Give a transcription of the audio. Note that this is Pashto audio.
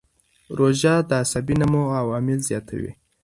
روژه د عصبي نمو عوامل زیاتوي.